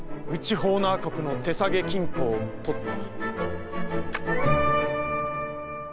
ホーナー国の手提げ金庫を取った」。